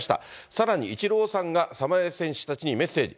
さらに、イチローさんが侍選手たちにメッセージ。